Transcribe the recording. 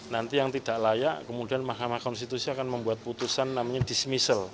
nanti yang tidak layak kemudian mahkamah konstitusi akan membuat putusan namanya dismissil